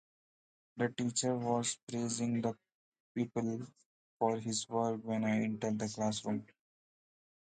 The teacher was praising the pupil for his work when I entered the classroom.